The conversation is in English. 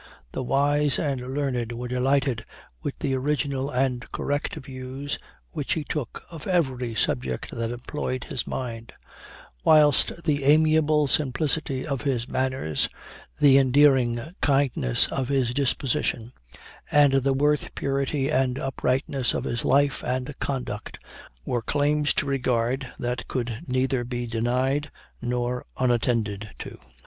The wise and learned were delighted with the original and correct views which he took of every subject that employed his mind; whilst the amiable simplicity of his manners, the endearing kindness of his disposition, and the worth, purity, and uprightness of his life and conduct, were claims to regard that could neither be denied nor unattended to.